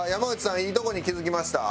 いいとこに気づきました？